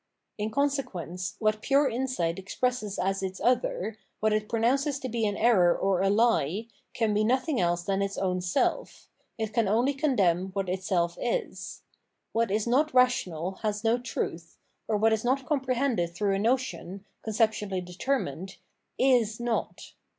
In consequence, what pure insight expresses as its other, what it pro nounces to be an error or a he, can be nothing else than its own self ; it can only condemn what itself is. What is not rational has no truth, or what is not comprehended through a notion, conceptuahy determined, is not.